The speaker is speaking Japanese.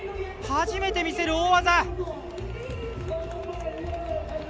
初めて見せる大技！